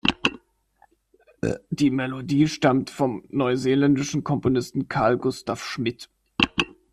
Die Melodie stammt vom neuseeländischen Komponisten Carl Gustav Schmitt.